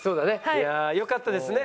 いやよかったですね。